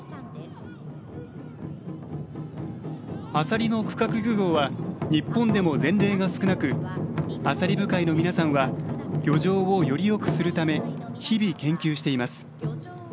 アサリの区画漁業は日本でも前例が少なくアサリ部会の皆さんは漁場をよりよくするため日々、研究しています。